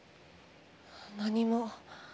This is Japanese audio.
何も。